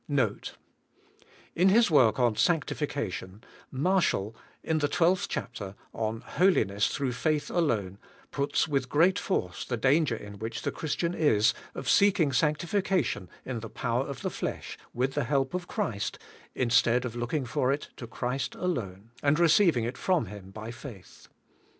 NOTE. In his work on ^' Sanctification,'* Marshall, in the twelfth chapter, on 'Holiness through faith alone,' puts with great force the danger in which the Christian IS of seeking sanctification in the power of the flesh, with the help of Christ, instead of looking for it to Cnrist alone, and receiving it from Him by faith.